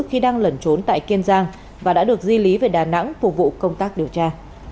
khi đang lẩn trốn tại kiên giang và đã được di lý về đà nẵng phục vụ công tác điều tra